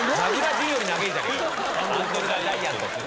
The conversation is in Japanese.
「アンドレ・ザ・ジャイアント」って。